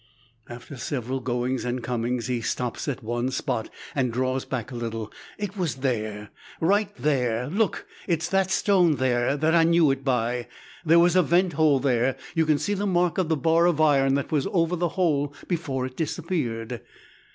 After several goings and comings, he stops at one spot and draws back a little "It was there, I'm right. Look it's that stone there that I knew it by. There was a vent hole there, you can see the mark of the bar of iron that was over the hole before it disappeared."